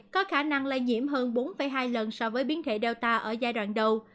có khả năng lây nhiễm hơn bốn hai lần so với biến thể data ở giai đoạn đầu